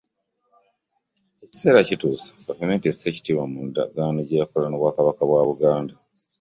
Ekiseera kituuse gavumenti esse ekitiibwa mu ndagaano gye yakola n’Obwakabaka bwa Buganda